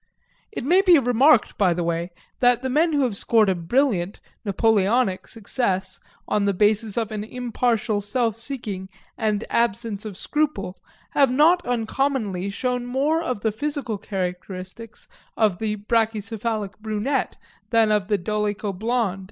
It may be remarked by the way, that the men who have scored a brilliant (Napoleonic) success on the basis of an impartial self seeking and absence of scruple, have not uncommonly shown more of the physical characteristics of the brachycephalic brunette than of the dolicho blond.